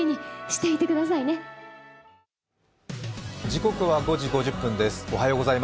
時刻は５時５０分です。